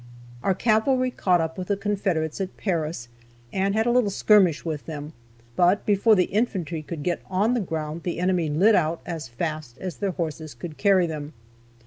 Our cavalry caught up with the Confederates at Paris, and had a little skirmish with them, but before the infantry could get on the ground the enemy lit out as fast as their horses could carry them.